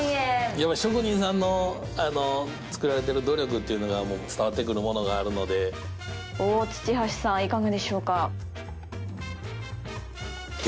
やっぱり職人さんのあの作られてる努力っていうのが伝わってくるものがあるので大土橋さんいかがでしょうか？